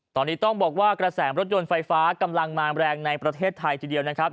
ตอนนี้ต้องบอกว่ากระแสรถยนต์ไฟฟ้ากำลังมาแรงในประเทศไทยทีเดียวนะครับ